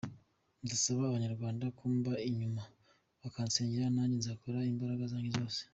Ndasaba Abanyarwanda kumba inyuma, bakansengera nanjye nzakoresha imbaraga zanjye zose.